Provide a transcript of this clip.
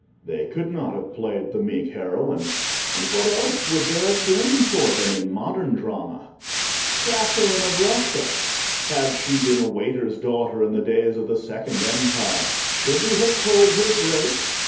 They could not have played the meek heroine, and what else would there have been for them in modern drama? Catherine of Russia! had she been a waiter's daughter in the days of the Second Empire, should we have called her Great?